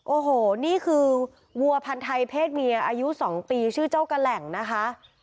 โอ้โหนี่คือวัวพันธ์ไทยเพศเมียอายุ๒ปีชื่อเจ้ากะแหล่งนะคะ